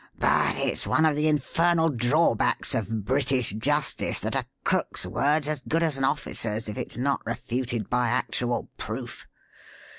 But it's one of the infernal drawbacks of British justice that a crook's word's as good as an officer's if it's not refuted by actual proof.